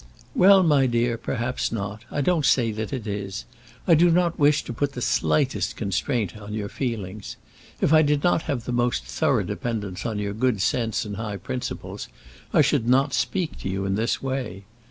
"Well, my dear, perhaps not. I don't say that it is. I do not wish to put the slightest constraint upon your feelings. If I did not have the most thorough dependence on your good sense and high principles, I should not speak to you in this way.